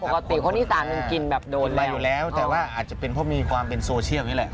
ปกติคนอีสานก็ยังกินแบบโดนเรียก